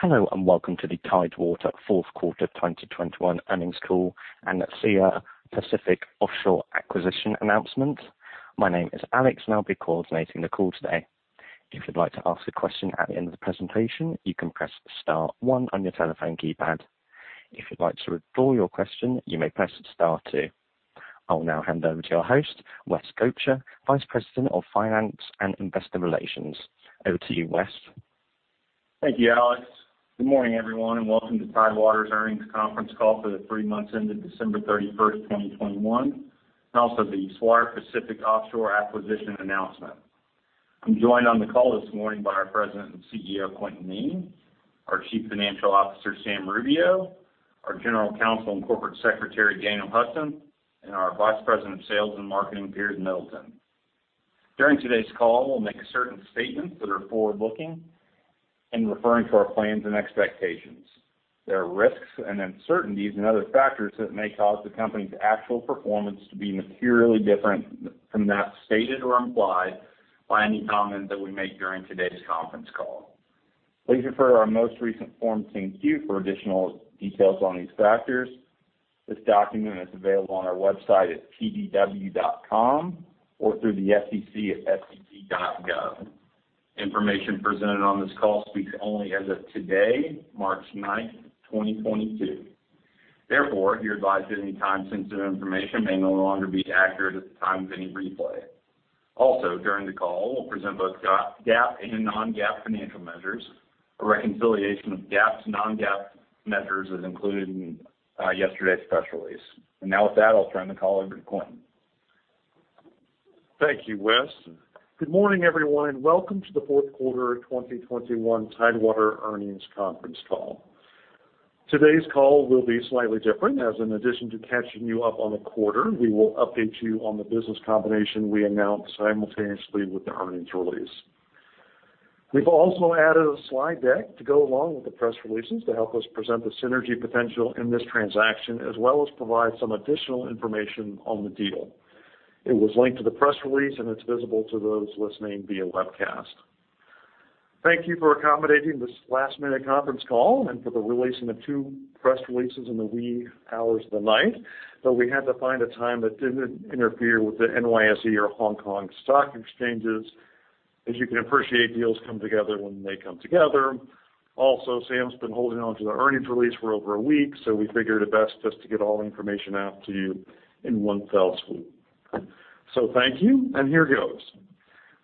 Hello, and welcome to the Tidewater Fourth Quarter 2021 Earnings Call and Swire Pacific Offshore acquisition announcement. My name is Alex, and I'll be coordinating the call today. If you'd like to ask a question at the end of the presentation, you can press star one on your telephone keypad. If you'd like to withdraw your question, you may press star two. I'll now hand over to our host, West Gotcher, Vice President of Finance and Investor Relations. Over to you, West. Thank you, Alex. Good morning, everyone, and welcome to Tidewater's earnings conference call for the three months ended December 31, 2021, and also the Swire Pacific Offshore acquisition announcement. I'm joined on the call this morning by our President and CEO, Quintin Kneen, our Chief Financial Officer, Sam Rubio, our General Counsel and Corporate Secretary, Daniel Hudson, and our Vice President of Sales and Marketing, Piers Middleton. During today's call, we'll make certain statements that are forward-looking and referring to our plans and expectations. There are risks and uncertainties and other factors that may cause the company's actual performance to be materially different than that stated or implied by any comment that we make during today's conference call. Please refer to our most recent Form 10-Q for additional details on these factors. This document is available on our website at tdw.com or through the SEC at sec.gov. Information presented on this call speaks only as of today, March 9th, 2022. Therefore, you're advised that any time-sensitive information may no longer be accurate at the time of any replay. Also, during the call, we'll present both GAAP and non-GAAP financial measures. A reconciliation of GAAP to non-GAAP measures is included in yesterday's press release. Now with that, I'll turn the call over to Quintin. Thank you, Wes. Good morning, everyone, and welcome to the fourth quarter of 2021 Tidewater earnings conference call. Today's call will be slightly different, as in addition to catching you up on the quarter, we will update you on the business combination we announced simultaneously with the earnings release. We've also added a slide deck to go along with the press releases to help us present the synergy potential in this transaction, as well as provide some additional information on the deal. It was linked to the press release and it's visible to those listening via webcast. Thank you for accommodating this last-minute conference call and for the release of the two press releases in the wee hours of the night. We had to find a time that didn't interfere with the NYSE or Hong Kong stock exchanges. As you can appreciate, deals come together when they come together. Also, Sam's been holding on to the earnings release for over a week, so we figured it best just to get all the information out to you in one fell swoop. Thank you, and here goes.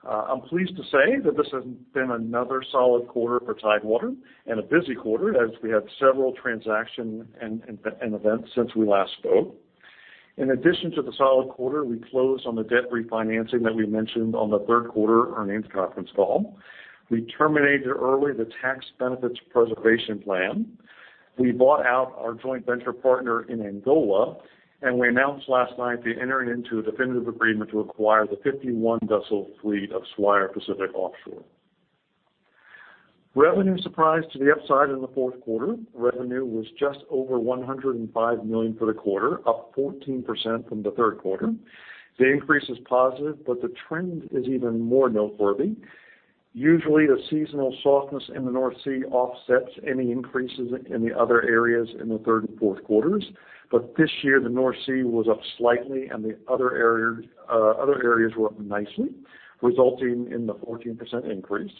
I'm pleased to say that this has been another solid quarter for Tidewater and a busy quarter as we had several transactions and events since we last spoke. In addition to the solid quarter, we closed on the debt refinancing that we mentioned on the third quarter earnings conference call. We terminated early the Tax Benefits Preservation Plan. We bought out our joint venture partner in Angola, and we announced last night the entering into a definitive agreement to acquire the 51-vessel fleet of Swire Pacific Offshore. Revenue surprised to the upside in the fourth quarter. Revenue was just over $105 million for the quarter, up 14% from the third quarter. The increase is positive, but the trend is even more noteworthy. Usually, the seasonal softness in the North Sea offsets any increases in the other areas in the third and fourth quarters. This year, the North Sea was up slightly and the other areas were up nicely, resulting in the 14% increase.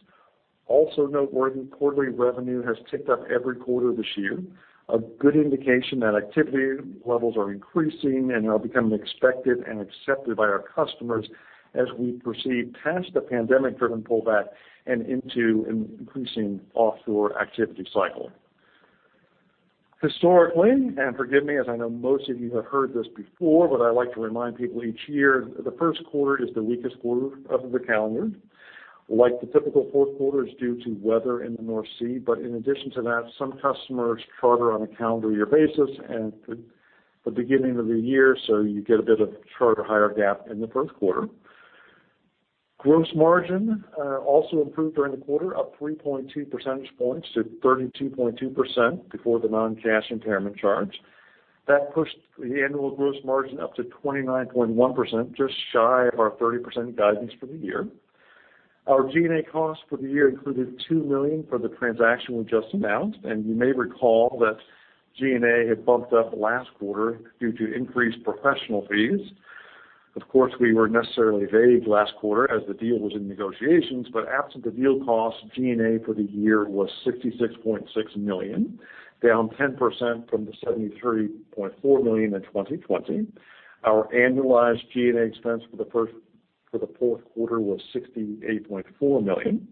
Also noteworthy, quarterly revenue has ticked up every quarter this year, a good indication that activity levels are increasing and are becoming expected and accepted by our customers as we proceed past the pandemic-driven pullback and into an increasing offshore activity cycle. Historically, and forgive me, as I know most of you have heard this before, but I like to remind people each year, the first quarter is the weakest quarter of the calendar. Like the typical fourth quarter, it's due to weather in the North Sea. In addition to that, some customers charter on a calendar year basis and the beginning of the year, so you get a bit of charter hire gap in the first quarter. Gross margin also improved during the quarter, up 3.2 percentage points to 32.2% before the non-cash impairment charge. That pushed the annual gross margin up to 29.1%, just shy of our 30% guidance for the year. Our G&A costs for the year included $2 million for the transaction we just announced, and you may recall that G&A had bumped up last quarter due to increased professional fees. Of course, we were necessarily vague last quarter as the deal was in negotiations, but absent the deal cost, G&A for the year was $66.6 million, down 10% from the $73.4 million in 2020. Our annualized G&A expense for the fourth quarter was $68.4 million.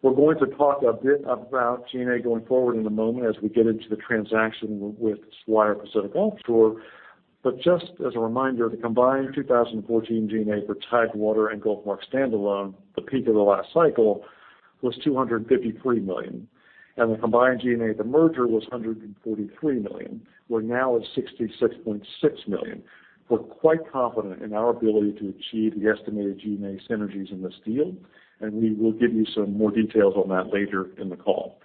We're going to talk a bit about G&A going forward in a moment as we get into the transaction with Swire Pacific Offshore. Just as a reminder, the combined 2014 G&A for Tidewater and GulfMark standalone, the peak of the last cycle, was $253 million, and the combined G&A at the merger was $143 million. We're now at $66.6 million. We're quite confident in our ability to achieve the estimated G&A synergies in this deal, and we will give you some more details on that later in the call.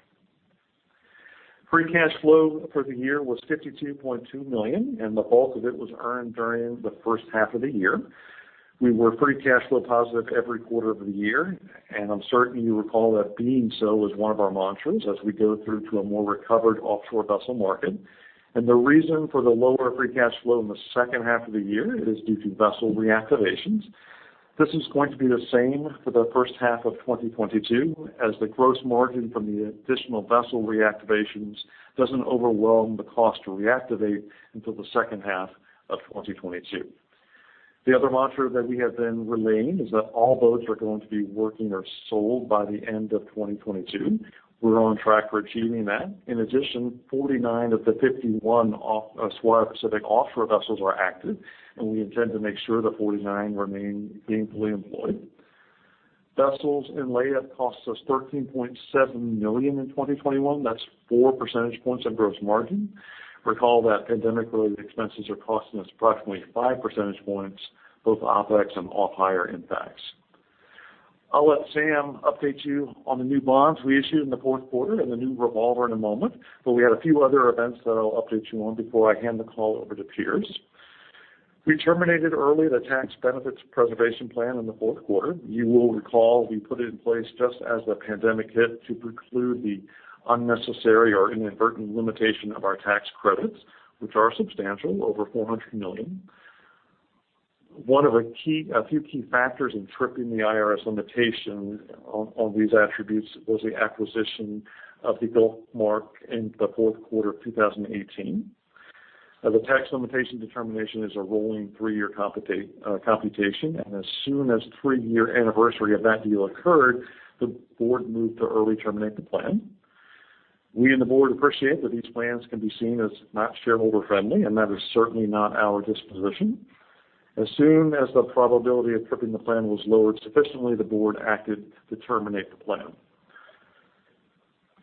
Free cash flow for the year was $52.2 million, and the bulk of it was earned during the first half of the year. We were free cash flow positive every quarter of the year, and I'm certain you recall that being so was one of our mantras as we go through to a more recovered offshore vessel market. The reason for the lower free cash flow in the second half of the year is due to vessel reactivations. This is going to be the same for the first half of 2022, as the gross margin from the additional vessel reactivations doesn't overwhelm the cost to reactivate until the second half of 2022. The other mantra that we have then remained is that all boats are going to be working or sold by the end of 2022. We're on track for achieving that. In addition, 49 of the 51 Swire Pacific Offshore vessels are active, and we intend to make sure that 49 remain being fully employed. Vessels in layup cost us $13.7 million in 2021. That's four percentage points of gross margin. Recall that pandemic-related expenses are costing us approximately 5 percentage points, both OpEx and off-hire impacts. I'll let Sam update you on the new bonds we issued in the fourth quarter and the new revolver in a moment, but we had a few other events that I'll update you on before I hand the call over to Piers. We terminated early the Tax Benefits Preservation Plan in the fourth quarter. You will recall we put it in place just as the pandemic hit to preclude the unnecessary or inadvertent limitation of our tax credits, which are substantial, over $400 million. One of a few key factors in tripping the IRS limitation on these attributes was the acquisition of GulfMark in the fourth quarter of 2018. The tax limitation determination is a rolling three-year computation, and as soon as three-year anniversary of that deal occurred, the board moved to early terminate the plan. We and the board appreciate that these plans can be seen as not shareholder-friendly, and that is certainly not our disposition. As soon as the probability of tripping the plan was lowered sufficiently, the board acted to terminate the plan.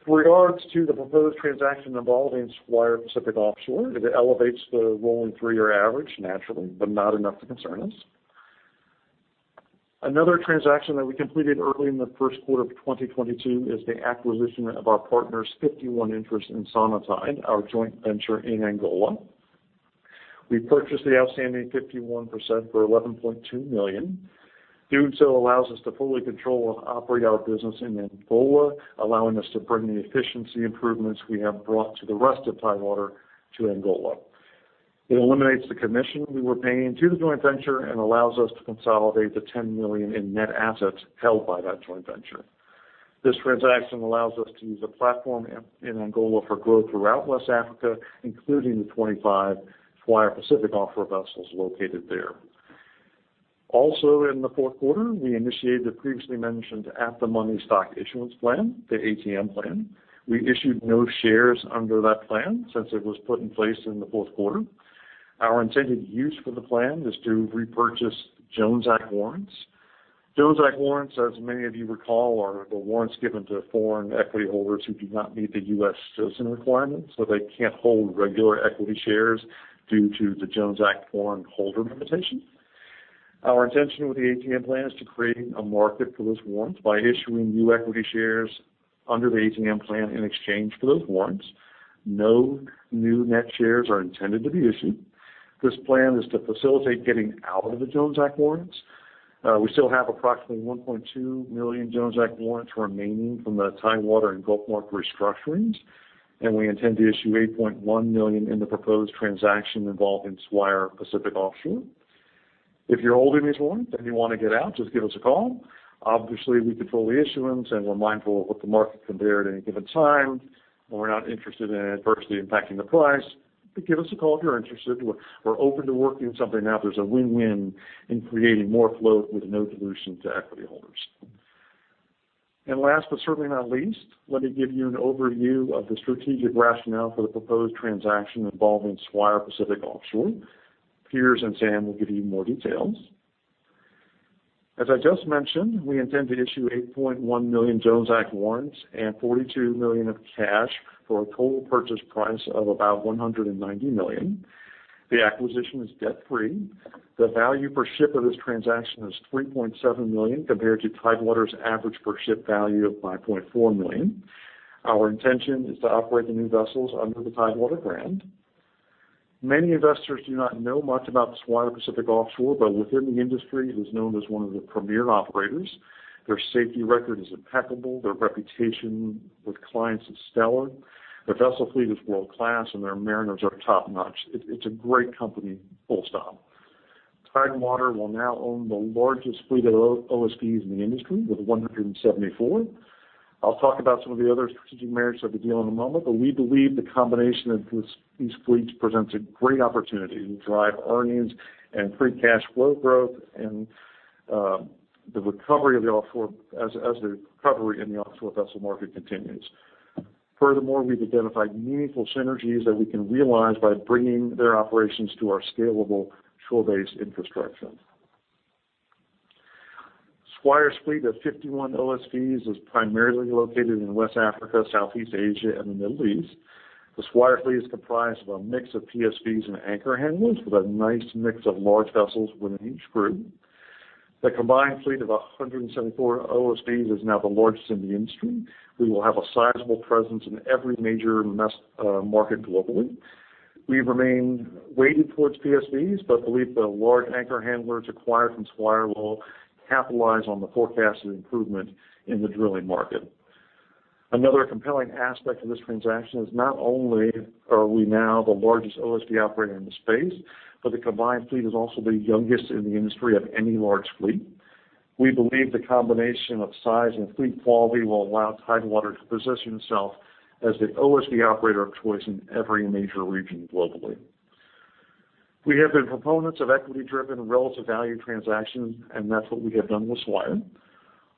With regards to the proposed transaction involving Swire Pacific Offshore, it elevates the rolling three-year average naturally, but not enough to concern us. Another transaction that we completed early in the first quarter of 2022 is the acquisition of our partner's 51 interest in Sonatide, our joint venture in Angola. We purchased the outstanding 51 percent for $11.2 million. Doing so allows us to fully control and operate our business in Angola, allowing us to bring the efficiency improvements we have brought to the rest of Tidewater to Angola. It eliminates the commission we were paying to the joint venture and allows us to consolidate the $10 million in net assets held by that joint venture. This transaction allows us to use a platform in Angola for growth throughout West Africa, including the 25 Swire Pacific Offshore vessels located there. Also, in the fourth quarter, we initiated the previously mentioned at-the-market stock issuance plan, the ATM plan. We issued no shares under that plan since it was put in place in the fourth quarter. Our intended use for the plan is to repurchase Jones Act warrants. Jones Act warrants, as many of you recall, are the warrants given to foreign equity holders who do not meet the U.S. citizen requirement, so they can't hold regular equity shares due to the Jones Act foreign holder limitation. Our intention with the ATM plan is to create a market for those warrants by issuing new equity shares under the ATM plan in exchange for those warrants. No new net shares are intended to be issued. This plan is to facilitate getting out of the Jones Act warrants. We still have approximately 1.2 million Jones Act warrants remaining from the Tidewater and GulfMark restructurings, and we intend to issue 8.1 million in the proposed transaction involving Swire Pacific Offshore. If you're holding these warrants and you wanna get out, just give us a call. Obviously, we control the issuance, and we're mindful of what the market can bear at any given time, and we're not interested in adversely impacting the price. Give us a call if you're interested. We're open to working something out. There's a win-win in creating more float with no dilution to equity holders. Last but certainly not least, let me give you an overview of the strategic rationale for the proposed transaction involving Swire Pacific Offshore. Piers and Sam will give you more details. As I just mentioned, we intend to issue 8.1 million Jones Act warrants and $42 million of cash for a total purchase price of about $190 million. The acquisition is debt-free. The value per ship of this transaction is $3.7 million, compared to Tidewater's average per ship value of $5.4 million. Our intention is to operate the new vessels under the Tidewater brand. Many investors do not know much about Swire Pacific Offshore, but within the industry, it is known as one of the premier operators. Their safety record is impeccable. Their reputation with clients is stellar. Their vessel fleet is world-class, and their mariners are top-notch. It's a great company, full stop. Tidewater will now own the largest fleet of OSVs in the industry with 174. I'll talk about some of the other strategic merits of the deal in a moment, but we believe the combination of these fleets presents a great opportunity to drive earnings and free cash flow growth and the recovery in the offshore vessel market continues. Furthermore, we've identified meaningful synergies that we can realize by bringing their operations to our scalable shore-based infrastructure. Swire's fleet of 51 OSVs is primarily located in West Africa, Southeast Asia, and the Middle East. The Swire fleet is comprised of a mix of PSVs and anchor handlers with a nice mix of large vessels within each group. The combined fleet of 174 OSVs is now the largest in the industry. We will have a sizable presence in every major market globally. We remain weighted towards PSVs, but believe the large anchor handlers acquired from Swire will capitalize on the forecasted improvement in the drilling market. Another compelling aspect of this transaction is not only are we now the largest OSV operator in the space, but the combined fleet is also the youngest in the industry of any large fleet. We believe the combination of size and fleet quality will allow Tidewater to position itself as the OSV operator of choice in every major region globally. We have been proponents of equity-driven relative value transactions, and that's what we have done with Swire.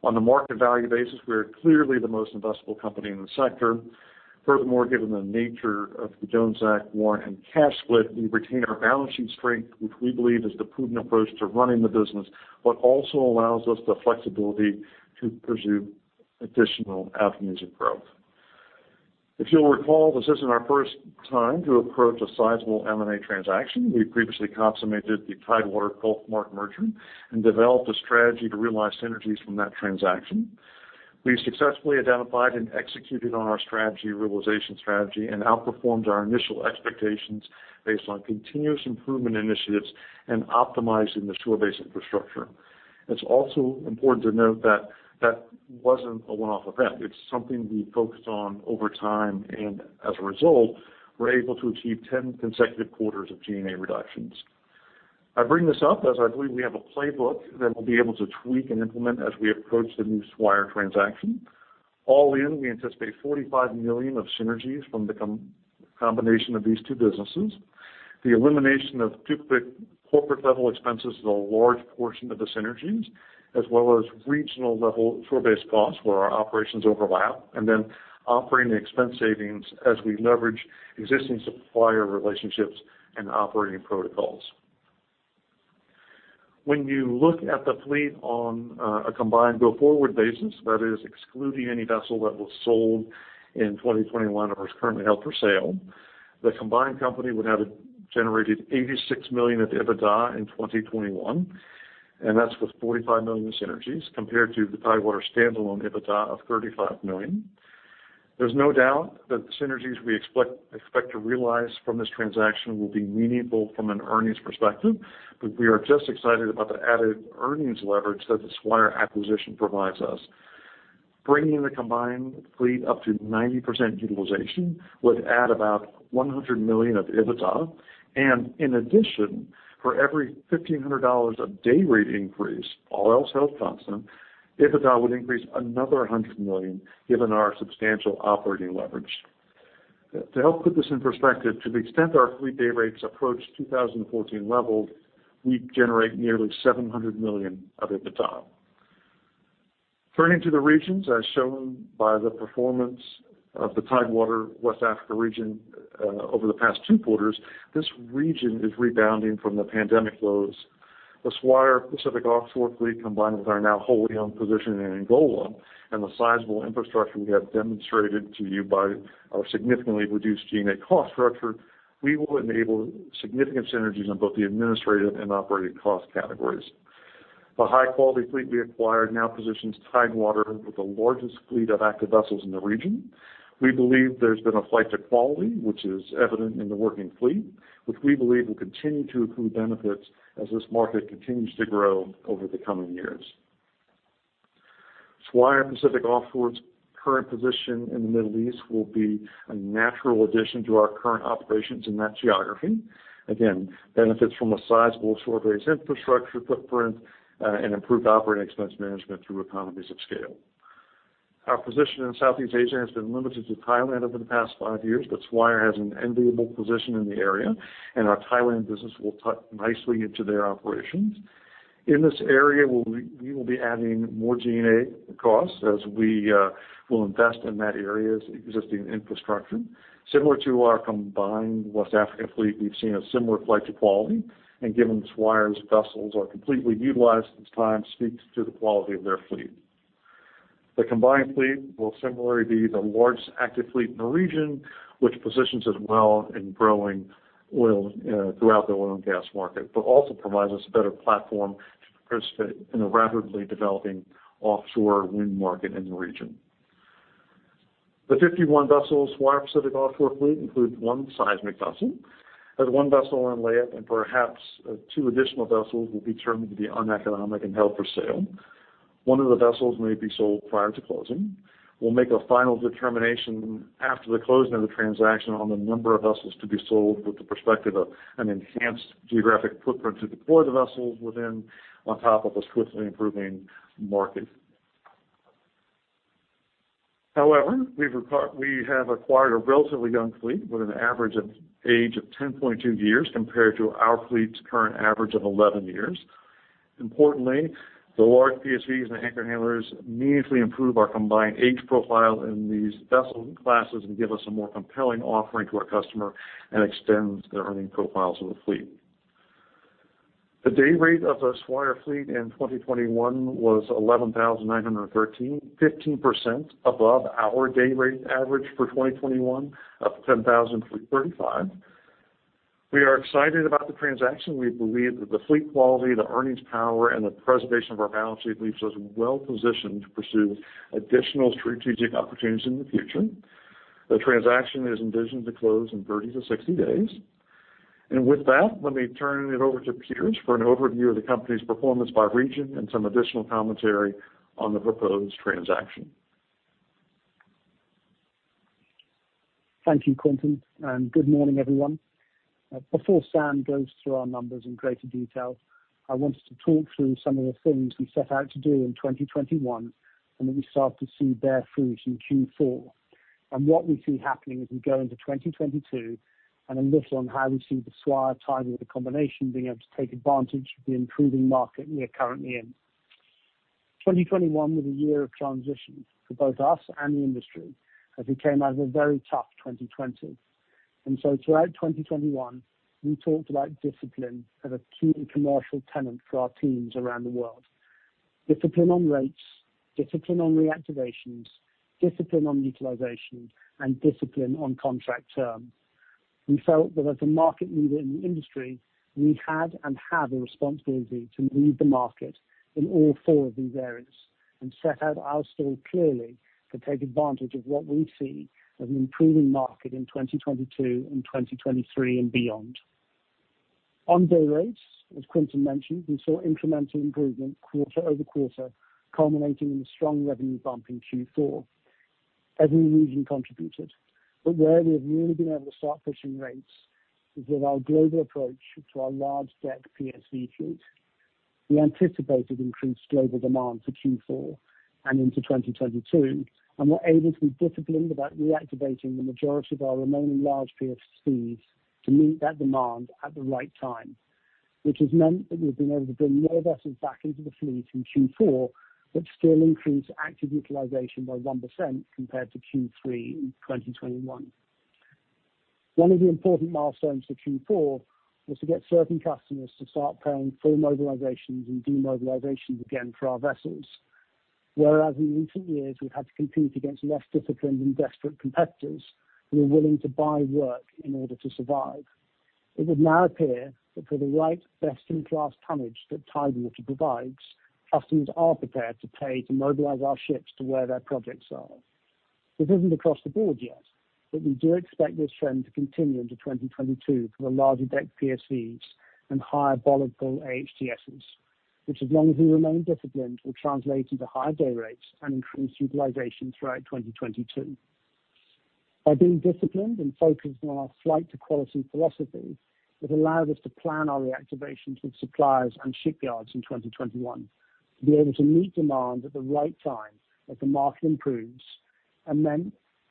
On the market value basis, we are clearly the most investable company in the sector. Furthermore, given the nature of the Jones Act warrant and cash split, we retain our balancing strength, which we believe is the prudent approach to running the business, but also allows us the flexibility to pursue additional avenues of growth. If you'll recall, this isn't our first time to approach a sizable M&A transaction. We previously consummated the Tidewater/GulfMark merger and developed a strategy to realize synergies from that transaction. We successfully identified and executed on our strategy, realization strategy, and outperformed our initial expectations based on continuous improvement initiatives and optimizing the shore base infrastructure. It's also important to note that that wasn't a one-off event. It's something we focused on over time, and as a result, we're able to achieve 10 consecutive quarters of G&A reductions. I bring this up as I believe we have a playbook that we'll be able to tweak and implement as we approach the new Swire transaction. All in, we anticipate $45 million of synergies from the combination of these two businesses. The elimination of duplicate corporate level expenses is a large portion of the synergies, as well as regional level shore-based costs where our operations overlap, and then operating expense savings as we leverage existing supplier relationships and operating protocols. When you look at the fleet on a combined go-forward basis, that is excluding any vessel that was sold in 2021 or is currently held for sale, the combined company would have generated $86 million of EBITDA in 2021, and that's with $45 million in synergies compared to the Tidewater standalone EBITDA of $35 million. There's no doubt that the synergies we expect to realize from this transaction will be meaningful from an earnings perspective, but we are just as excited about the added earnings leverage that the Swire acquisition provides us. Bringing the combined fleet up to 90% utilization would add about $100 million of EBITDA. In addition, for every $1,500 a day rate increase, all else held constant, EBITDA would increase another $100 million, given our substantial operating leverage. To help put this in perspective, to the extent our fleet day rates approach 2014 levels, we generate nearly $700 million of EBITDA. Turning to the regions, as shown by the performance of the Tidewater West Africa region over the past two quarters, this region is rebounding from the pandemic lows. The Swire Pacific Offshore fleet, combined with our now wholly owned position in Angola and the sizable infrastructure we have demonstrated to you by our significantly reduced G&A cost structure, we will enable significant synergies on both the administrative and operating cost categories. The high-quality fleet we acquired now positions Tidewater with the largest fleet of active vessels in the region. We believe there's been a flight to quality, which is evident in the working fleet, which we believe will continue to accrue benefits as this market continues to grow over the coming years. Swire Pacific Offshore's current position in the Middle East will be a natural addition to our current operations in that geography. Again, benefits from a sizable shore-based infrastructure footprint, and improved operating expense management through economies of scale. Our position in Southeast Asia has been limited to Thailand over the past five years, but Swire has an enviable position in the area, and our Thailand business will tuck nicely into their operations. In this area, we will be adding more G&A costs as we will invest in that area's existing infrastructure. Similar to our combined West Africa fleet, we've seen a similar flight to quality, and given Swire's vessels are completely utilized, which speaks to the quality of their fleet. The combined fleet will similarly be the largest active fleet in the region, which positions us well in the growing oil and gas market, but also provides us a better platform to participate in a rapidly developing offshore wind market in the region. The 51-vessel Swire Pacific Offshore fleet includes one seismic vessel. There's one vessel on layup, and perhaps two additional vessels will be determined to be uneconomic and held for sale. One of the vessels may be sold prior to closing. We'll make a final determination after the closing of the transaction on the number of vessels to be sold with the perspective of an enhanced geographic footprint to deploy the vessels within on top of a swiftly improving market. However, we have acquired a relatively young fleet with an average age of 10.2 years compared to our fleet's current average of 11 years. Importantly, the large PSVs and anchor handlers meaningfully improve our combined age profile in these vessel classes and give us a more compelling offering to our customer and extends the earning profiles of the fleet. The day rate of the Swire fleet in 2021 was $11,913, 15% above our day rate average for 2021 of $10,335. We are excited about the transaction. We believe that the fleet quality, the earnings power, and the preservation of our balance sheet leaves us well positioned to pursue additional strategic opportunities in the future. The transaction is envisioned to close in 30-60 days. With that, let me turn it over to Piers for an overview of the company's performance by region and some additional commentary on the proposed transaction. Thank you, Quintin, and good morning, everyone. Before Sam goes through our numbers in greater detail, I wanted to talk through some of the things we set out to do in 2021, and that we start to see bear fruit in Q4. What we see happening as we go into 2022, and a little on how we see the Swire tie-in with the combination being able to take advantage of the improving market we are currently in. 2021 was a year of transition for both us and the industry as we came out of a very tough 2020. Throughout 2021, we talked about discipline as a key commercial tenet for our teams around the world. Discipline on rates, discipline on reactivations, discipline on utilization, and discipline on contract terms. We felt that as a market leader in the industry, we had and have a responsibility to lead the market in all four of these areas and set out our stall clearly to take advantage of what we see as an improving market in 2022 and 2023 and beyond. On day rates, as Quintin mentioned, we saw incremental improvement quarter-over-quarter, culminating in a strong revenue bump in Q4. Every region contributed, but where we have really been able to start pushing rates is with our global approach to our large-deck PSV fleet. We anticipated increased global demand for Q4 and into 2022, and we're able to be disciplined about reactivating the majority of our remaining large PSVs to meet that demand at the right time, which has meant that we've been able to bring more vessels back into the fleet in Q4, but still increase active utilization by 1% compared to Q3 in 2021. One of the important milestones for Q4 was to get certain customers to start paying full mobilizations and demobilizations again for our vessels. Whereas in recent years, we've had to compete against less disciplined and desperate competitors who are willing to buy work in order to survive. It would now appear that for the right best-in-class tonnage that Tidewater provides, customers are prepared to pay to mobilize our ships to where their projects are. This isn't across the board yet, but we do expect this trend to continue into 2022 for the large-deck PSVs and higher bollard pull AHTS vessels, which as long as we remain disciplined, will translate into higher day rates and increased utilization throughout 2022. By being disciplined and focused on our flight to quality philosophy, it allows us to plan our reactivations with suppliers and shipyards in 2021 to be able to meet demand at the right time as the market improves.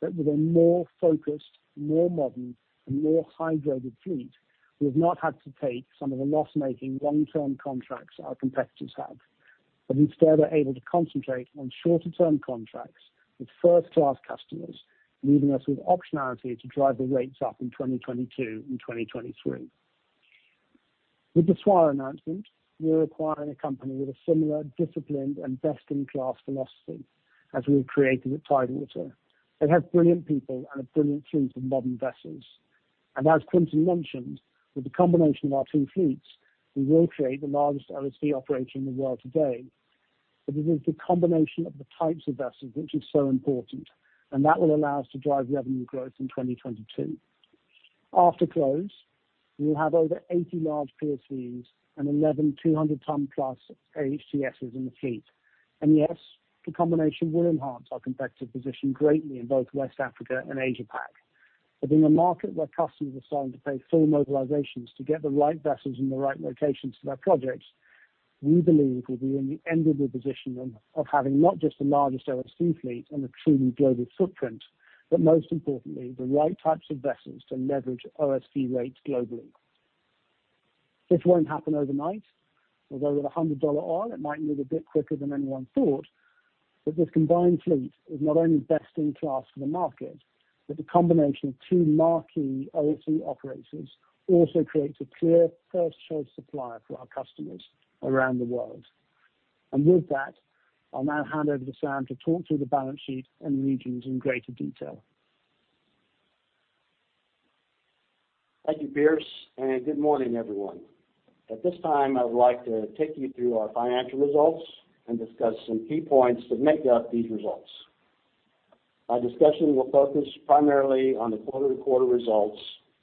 That with a more focused, more modern, and more high-graded fleet, we've not had to take some of the loss-making long-term contracts our competitors have. Instead are able to concentrate on shorter-term contracts with first-class customers, leaving us with optionality to drive the rates up in 2022 and 2023. With the Swire announcement, we're acquiring a company with a similar disciplined and best-in-class philosophy as we've created at Tidewater. It has brilliant people and a brilliant fleet of modern vessels. As Quintin mentioned, with the combination of our two fleets, we will create the largest OSV operator in the world today. It is the combination of the types of vessels which is so important, and that will allow us to drive revenue growth in 2022. After close, we'll have over 80 large PSVs and 11 200-ton-plus AHTS's in the fleet. Yes, the combination will enhance our competitive position greatly in both West Africa and Asia-Pac. In a market where customers are starting to pay full mobilizations to get the right vessels in the right locations for their projects, we believe we'll be in the enviable position of having not just the largest OSV fleet and a truly global footprint, but most importantly, the right types of vessels to leverage OSV rates globally. This won't happen overnight, although with $100 oil, it might move a bit quicker than anyone thought. This combined fleet is not only best in class for the market, but the combination of two marquee OSV operators also creates a clear first choice supplier for our customers around the world. With that, I'll now hand over to Sam to talk through the balance sheet and regions in greater detail. Thank you, Piers Middleton, and good morning, everyone. At this time, I would like to take you through our financial results and discuss some key points that make up these results. Our discussion will focus primarily on the quarter-to-quarter results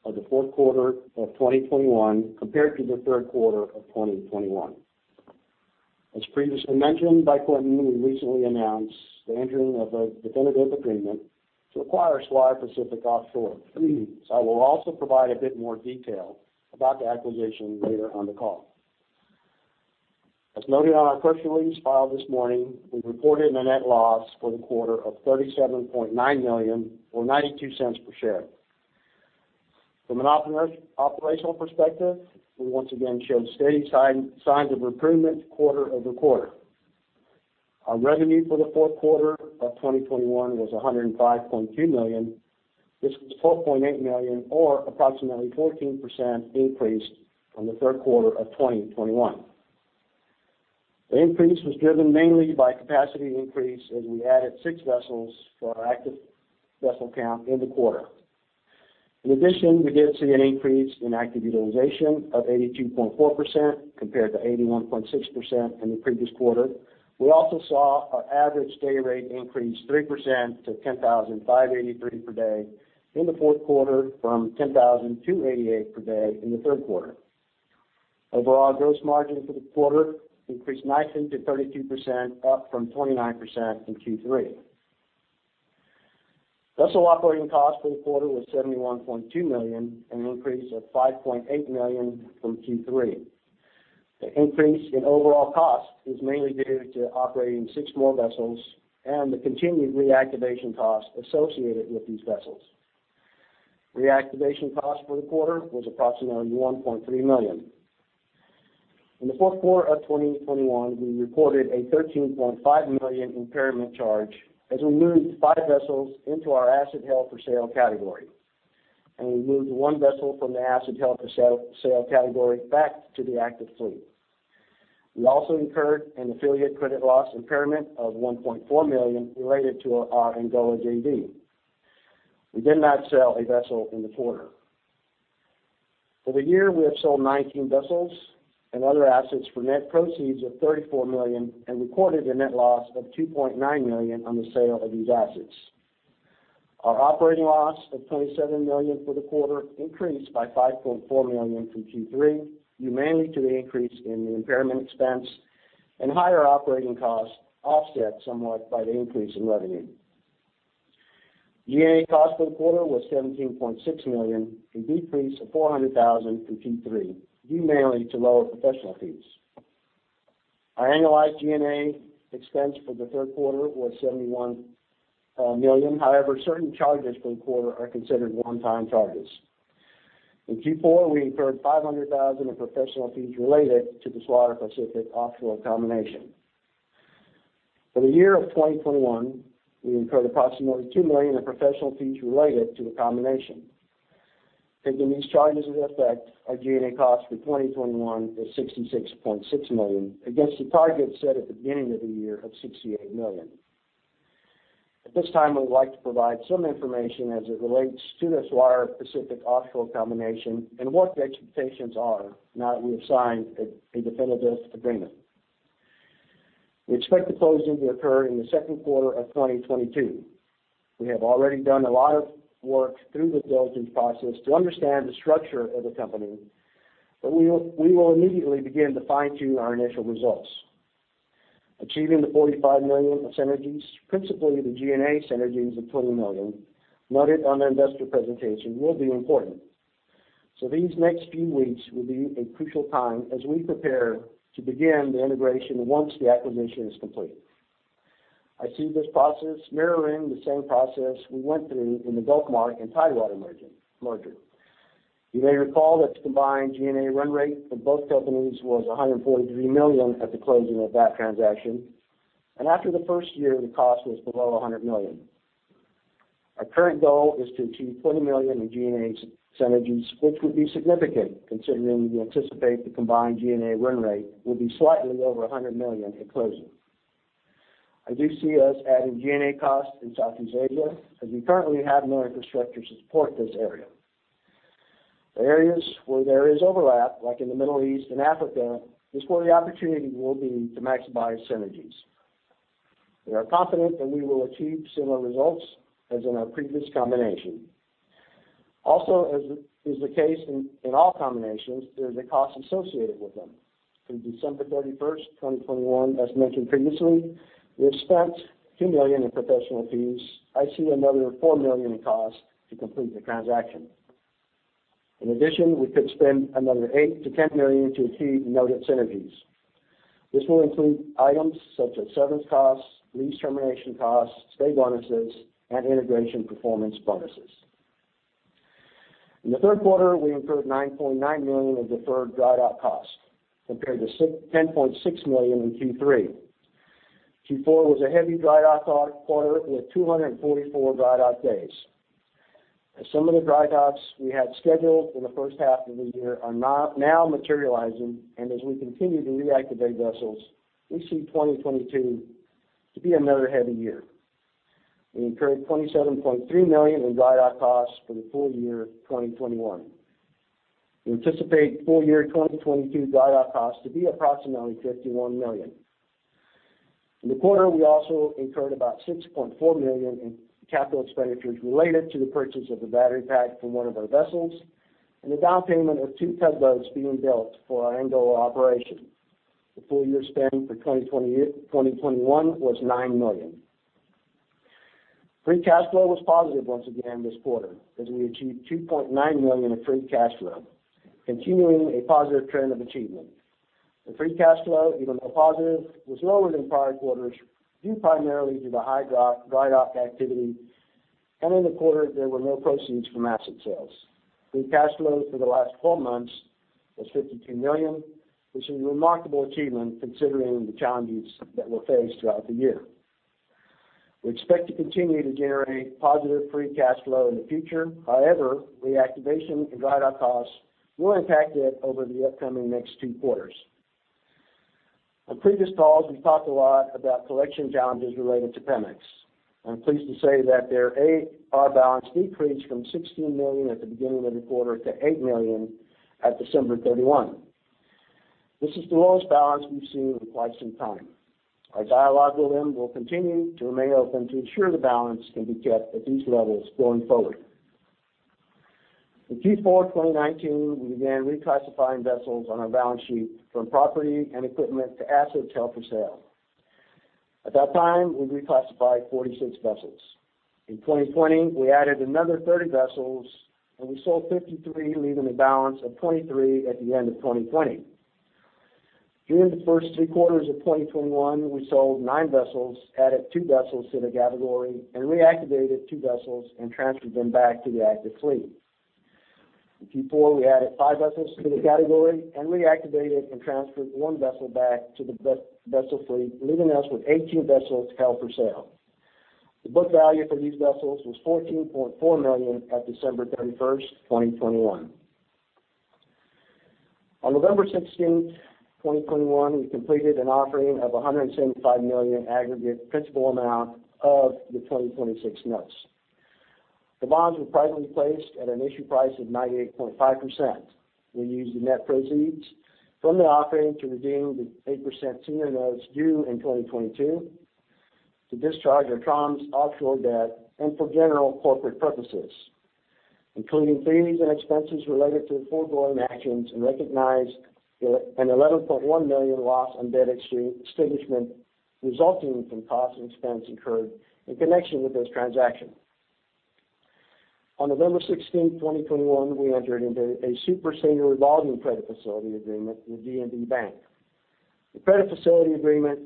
of the fourth quarter of 2021 compared to the third quarter of 2021. As previously mentioned by Quintin Kneen, we recently announced the entering of a definitive agreement to acquire Swire Pacific Offshore. I will also provide a bit more detail about the acquisition later on the call. As noted on our press release filed this morning, we've reported a net loss for the quarter of $37.9 million or $0.92 per share. From an operational perspective, we once again showed steady signs of improvement quarter-over-quarter. Our revenue for the fourth quarter of 2021 was $105.2 million. This was $4.8 million or approximately 14% increase from the third quarter of 2021. The increase was driven mainly by capacity increase as we added 6 vessels for our active vessel count in the quarter. In addition, we did see an increase in active utilization of 82.4% compared to 81.6% in the previous quarter. We also saw our average day rate increase 3% to $10,583 per day in the fourth quarter from $10,288 per day in the third quarter. Overall, gross margin for the quarter increased nicely to 32%, up from 29% in Q3. Vessel operating cost for the quarter was $71.2 million, an increase of $5.8 million from Q3. The increase in overall cost is mainly due to operating six more vessels and the continued reactivation costs associated with these vessels. Reactivation cost for the quarter was approximately $1.3 million. In the fourth quarter of 2021, we reported a $13.5 million impairment charge as we moved five vessels into our asset held for sale category. We moved one vessel from the asset held for sale category back to the active fleet. We also incurred an affiliate credit loss impairment of $1.4 million related to our Angola JV. We did not sell a vessel in the quarter. For the year, we have sold 19 vessels and other assets for net proceeds of $34 million and recorded a net loss of $2.9 million on the sale of these assets. Our operating loss of $27 million for the quarter increased by $5.4 million from Q3, due mainly to the increase in the impairment expense and higher operating costs offset somewhat by the increase in revenue. G&A cost for the quarter was $17.6 million, a decrease of $400,000 from Q3, due mainly to lower professional fees. Our annualized G&A expense for the third quarter was 71 million. However, certain charges for the quarter are considered one-time charges. In Q4, we incurred $500,000 in professional fees related to the Swire Pacific Offshore combination. For the year of 2021, we incurred approximately $2 million in professional fees related to the combination. Taking these charges into effect, our G&A cost for 2021 is $66.6 million against the target set at the beginning of the year of $68 million. At this time, we would like to provide some information as it relates to the Swire Pacific Offshore combination and what the expectations are now that we have signed a definitive agreement. We expect the closing to occur in the second quarter of 2022. We have already done a lot of work through the diligence process to understand the structure of the company, but we will immediately begin to fine-tune our initial results. Achieving the $45 million of synergies, principally the G&A synergies of $20 million noted on our investor presentation, will be important. These next few weeks will be a crucial time as we prepare to begin the integration once the acquisition is complete. I see this process mirroring the same process we went through in the GulfMark and Tidewater merger. You may recall that the combined G&A run rate for both companies was $143 million at the closing of that transaction, and after the first year, the cost was below $100 million. Our current goal is to achieve $20 million in G&A synergies, which would be significant considering we anticipate the combined G&A run rate will be slightly over $100 million at closing. I do see us adding G&A costs in Southeast Asia, as we currently have no infrastructure to support this area. The areas where there is overlap, like in the Middle East and Africa, is where the opportunity will be to maximize synergies. We are confident that we will achieve similar results as in our previous combination. Also, as is the case in all combinations, there's a cost associated with them. Through December 31, 2021, as mentioned previously, we have spent $2 million in professional fees. I see another $4 million in costs to complete the transaction. In addition, we could spend another $8 million-$10 million to achieve the noted synergies. This will include items such as severance costs, lease termination costs, stay bonuses, and integration performance bonuses. In the third quarter, we incurred $9.9 million in deferred dry dock costs compared to ten point six million in Q3. Q4 was a heavy dry dock quarter with 244 dry dock days. As some of the dry docks we had scheduled for the first half of the year are now materializing, and as we continue to reactivate vessels, we see 2022 to be another heavy year. We incurred $27.3 million in dry dock costs for the full year 2021. We anticipate full-year 2022 dry dock costs to be approximately $51 million. In the quarter, we also incurred about $6.4 million in capital expenditures related to the purchase of a battery pack for one of our vessels and a down payment of two tugboats being built for our Angola operation. The full-year spend for 2021 was $9 million. Free cash flow was positive once again this quarter as we achieved $2.9 million in free cash flow, continuing a positive trend of achievement. The free cash flow, even though positive, was lower than prior quarters, due primarily to the high dry dock activity, and in the quarter, there were no proceeds from asset sales. Free cash flow for the last 12 months was $52 million, which is a remarkable achievement considering the challenges that were faced throughout the year. We expect to continue to generate positive free cash flow in the future. However, reactivation and drydock costs will impact it over the upcoming next two quarters. On previous calls, we've talked a lot about collection challenges related to Pemex. I'm pleased to say that their A/R balance decreased from $16 million at the beginning of the quarter to $8 million at December 31. This is the lowest balance we've seen in quite some time. Our dialogue with them will continue to remain open to ensure the balance can be kept at these levels going forward. In Q4 2019, we began reclassifying vessels on our balance sheet from property and equipment to assets held for sale. At that time, we reclassified 46 vessels. In 2020, we added another 30 vessels, and we sold 53, leaving a balance of 23 at the end of 2020. During the first three quarters of 2021, we sold nine vessels, added two vessels to the category, and reactivated two vessels and transferred them back to the active fleet. In Q4, we added five vessels to the category and reactivated and transferred one vessel back to the vessel fleet, leaving us with 18 vessels held for sale. The book value for these vessels was $14.4 million at December 31, 2021. On November 16, 2021, we completed an offering of $175 million aggregate principal amount of the 2026 notes. The bonds were privately placed at an issue price of 98.5%. We used the net proceeds from the offering to redeem the 8% senior notes due in 2022 to discharge our Troms Offshore's offshore debt and for general corporate purposes, including fees and expenses related to the foregoing actions, and recognized an $11.1 million loss on debt extinguishment resulting from costs and expenses incurred in connection with this transaction. On November 16, 2021, we entered into a super senior revolving credit facility agreement with DNB Bank. The credit facility agreement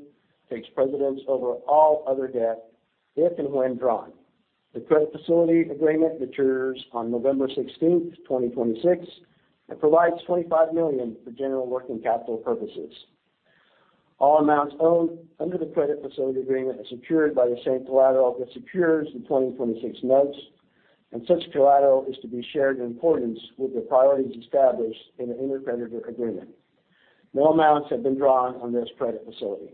takes precedence over all other debt if and when drawn. The credit facility agreement matures on November 16, 2026, and provides $25 million for general working capital purposes. All amounts owed under the credit facility agreement are secured by the same collateral that secures the 2026 notes, and such collateral is to be shared in importance with the priorities established in the intercreditor agreement. No amounts have been drawn on this credit facility.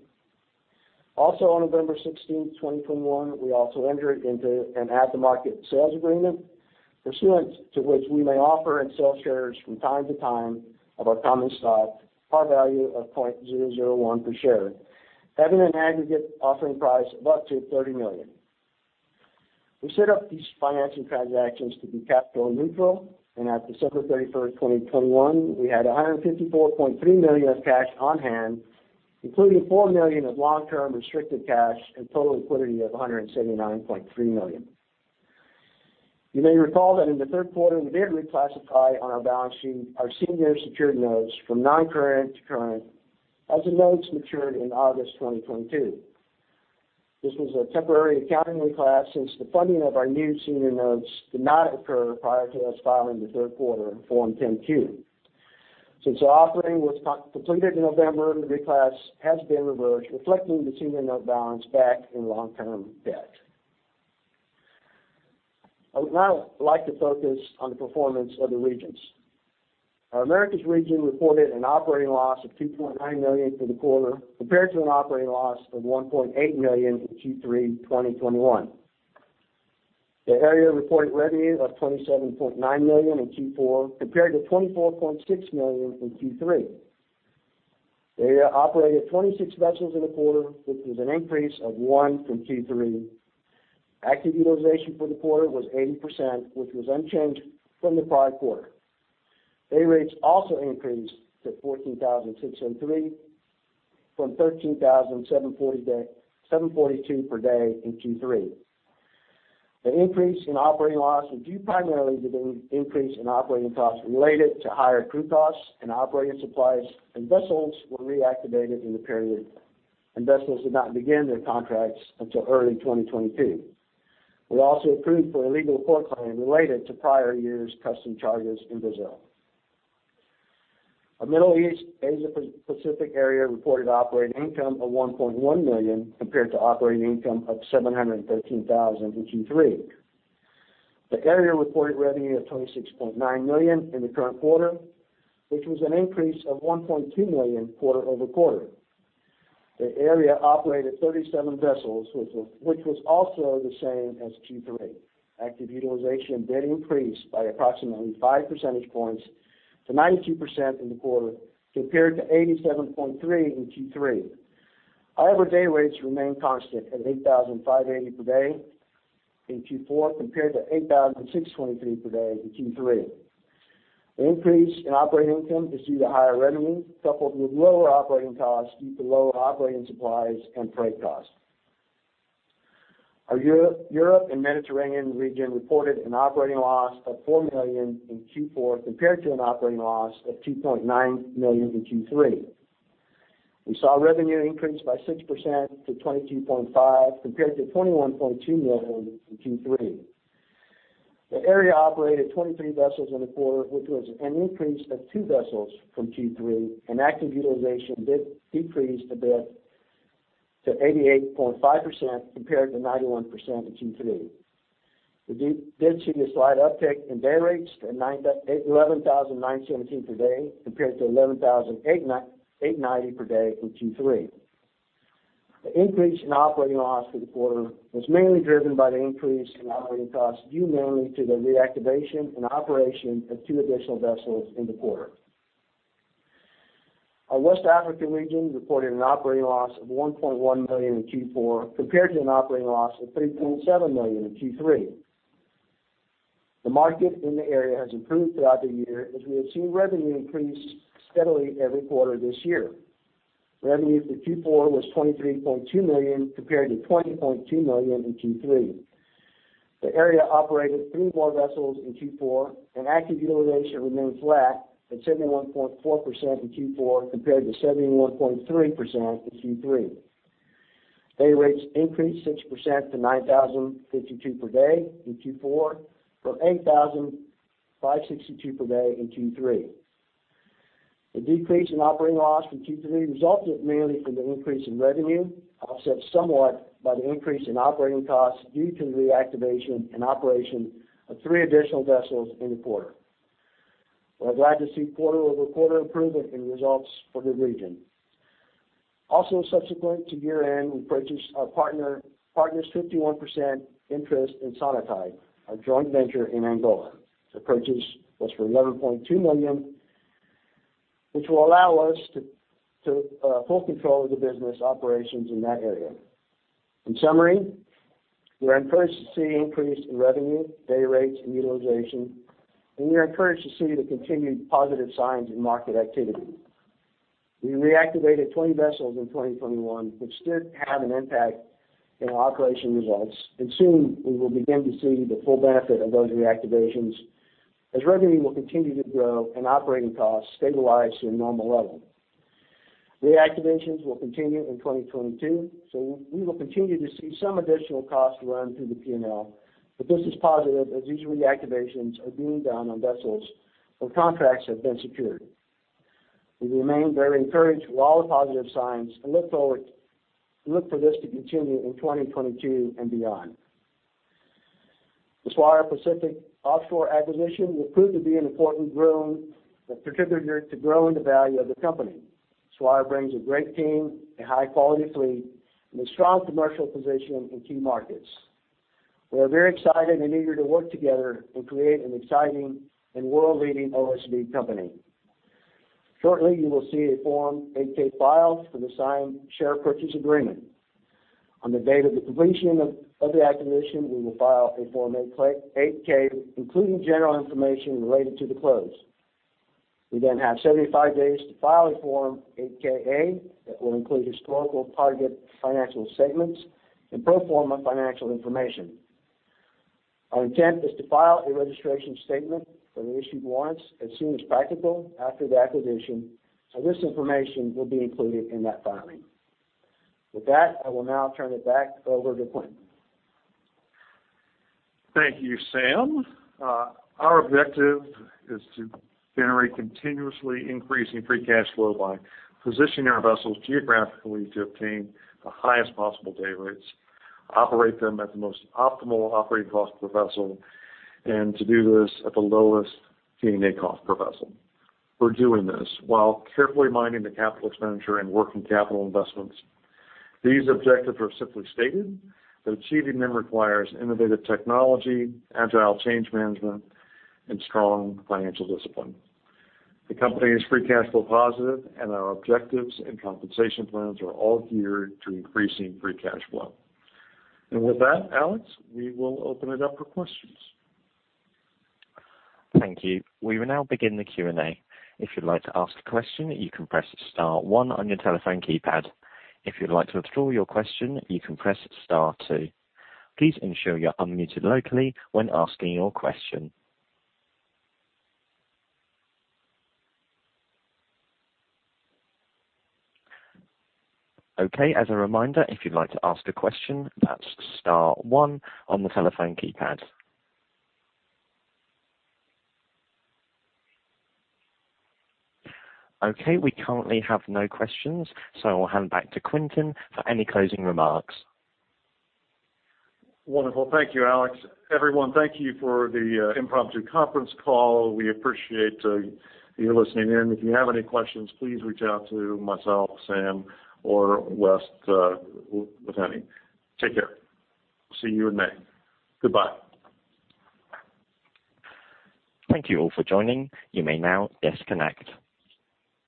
On November 16, 2021, we entered into an at-the-market sales agreement pursuant to which we may offer and sell shares from time to time of our common stock, par value of $0.001 per share, having an aggregate offering price of up to $30 million. We set up these financing transactions to be capital neutral, and at December 31, 2021, we had $154.3 million of cash on hand, including $4 million of long-term restricted cash, and total liquidity of $179.3 million. You may recall that in the third quarter, we did reclassify on our balance sheet our senior secured notes from noncurrent to current as the notes matured in August 2022. This was a temporary accounting reclass since the funding of our new senior notes did not occur prior to us filing the third quarter Form 10-Q. Since the offering was completed in November, the reclass has been reversed, reflecting the senior note balance back in long-term debt. I would now like to focus on the performance of the regions. Our Americas region reported an operating loss of $2.9 million for the quarter, compared to an operating loss of $1.8 million in Q3 2021. The area reported revenue of $27.9 million in Q4, compared to $24.6 million in Q3. The area operated 26 vessels in the quarter, which was an increase of one from Q3. Active utilization for the quarter was 80%, which was unchanged from the prior quarter. Dayrates also increased to $14,603 from $13,742 per day in Q3. The increase in operating loss was due primarily to the increase in operating costs related to higher crew costs and operating supplies, vessels were reactivated in the period, and vessels did not begin their contracts until early 2022. We also accrued for a legal court claim related to prior years' customs charges in Brazil. Our Middle East, Asia-Pacific area reported operating income of $1.1 million, compared to operating income of $713,000 in Q3. The area reported revenue of $26.9 million in the current quarter, which was an increase of $1.2 million quarter-over-quarter. The area operated 37 vessels, which was also the same as Q3. Active utilization did increase by approximately five percentage points to 92% in the quarter, compared to 87.3 in Q3. However, dayrates remained constant at $8,580 per day in Q4, compared to $8,623 per day in Q3. The increase in operating income is due to higher revenue, coupled with lower operating costs due to lower operating supplies and freight costs. Our Europe and Mediterranean region reported an operating loss of $4 million in Q4, compared to an operating loss of $2.9 million in Q3. We saw revenue increase by 6% to $22.5 million, compared to $21.2 million in Q3. The area operated 23 vessels in the quarter, which was an increase of two vessels from Q3, and active utilization did decrease a bit to 88.5% compared to 91% in Q3. We did see a slight uptick in day rates to $11,917 per day compared to $11,890 per day in Q3. The increase in operating loss for the quarter was mainly driven by the increase in operating costs due mainly to the reactivation and operation of two additional vessels in the quarter. Our West Africa region reported an operating loss of $1.1 million in Q4 compared to an operating loss of $3.7 million in Q3. The market in the area has improved throughout the year as we have seen revenue increase steadily every quarter this year. Revenue for Q4 was $23.2 million compared to $20.2 million in Q3. The area operated three more vessels in Q4, and active utilization remained flat at 71.4% in Q4 compared to 71.3% in Q3. Day rates increased 6% to $9,052 per day in Q4 from $8,562 per day in Q3. The decrease in operating loss from Q3 resulted mainly from the increase in revenue, offset somewhat by the increase in operating costs due to the reactivation and operation of three additional vessels in the quarter. We're glad to see quarter-over-quarter improvement in results for the region. Also, subsequent to year-end, we purchased our partner's 51% interest in Sonatide, our joint venture in Angola. The purchase was for $11.2 million, which will allow us to full control of the business operations in that area. In summary, we are encouraged to see increase in revenue, day rates, and utilization, and we are encouraged to see the continued positive signs in market activity. We reactivated 20 vessels in 2021, which did have an impact in our operational results, and soon we will begin to see the full benefit of those reactivations as revenue will continue to grow and operating costs stabilize to a normal level. Reactivations will continue in 2022, so we will continue to see some additional costs run through the P&L, but this is positive as these reactivations are being done on vessels where contracts have been secured. We remain very encouraged with all the positive signs and look for this to continue in 2022 and beyond. The Swire Pacific Offshore acquisition will prove to be an important growing contributor to growing the value of the company. Swire brings a great team, a high-quality fleet, and a strong commercial position in key markets. We are very excited and eager to work together and create an exciting and world-leading OSV company. Shortly, you will see a Form 8-K filed for the signed share purchase agreement. On the date of the completion of the acquisition, we will file a Form 8-K, including general information related to the close. We then have 75 days to file a Form 8-K/A that will include historical target financial statements and pro forma financial information. Our intent is to file a registration statement for the issued warrants as soon as practical after the acquisition, and this information will be included in that filing. With that, I will now turn it back over to Quintin. Thank you, Sam. Our objective is to generate continuously increasing free cash flow by positioning our vessels geographically to obtain the highest possible day rates, operate them at the most optimal operating cost per vessel, and to do this at the lowest G&A cost per vessel. We're doing this while carefully mining the capital expenditure and working capital investments. These objectives are simply stated, but achieving them requires innovative technology, agile change management, and strong financial discipline. The company is free cash flow positive, and our objectives and compensation plans are all geared to increasing free cash flow. With that, Alex, we will open it up for questions. Thank you. We will now begin the Q&A. If you'd like to ask a question, you can press star one on your telephone keypad. If you'd like to withdraw your question, you can press star two. Please ensure you're unmuted locally when asking your question. Okay. As a reminder, if you'd like to ask a question, that's star one on the telephone keypad. Okay. We currently have no questions, so I'll hand back to Quintin for any closing remarks. Wonderful. Thank you, Alex. Everyone, thank you for the impromptu conference call. We appreciate you listening in. If you have any questions, please reach out to myself, Sam, or Wes with any. Take care. See you in May. Goodbye. Thank you all for joining. You may now disconnect.